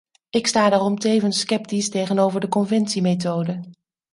Ik sta daarom tevens sceptisch tegenover de conventiemethode.